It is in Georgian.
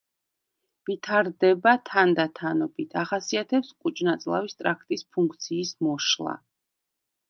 ვითარდება თანდათანობით, ახასიათებს კუჭნაწლავის ტრაქტის ფუნქციის მოშლა.